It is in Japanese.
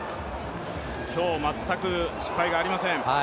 今日全く失敗がありません。